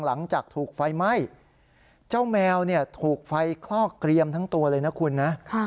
หลังจากถูกไฟไหม้เจ้าแมวถูกไฟคลอกเกรียมทั้งตัวเลยนะคุณนะ